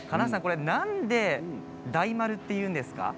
なんで大丸というんですか？